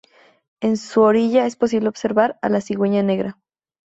En su orilla es posible observar a la cigüeña negra.